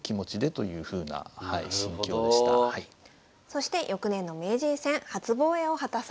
そして翌年の名人戦初防衛を果たされました。